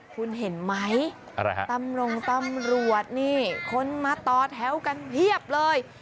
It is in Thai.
คุณเห็นไหมตำรงตำรวจนี่คนมาต่อแถวกันเพียบเลย